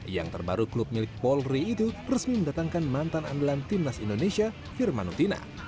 yang terbaru klub milik polri itu resmi mendatangkan mantan andalan timnas indonesia firmanutina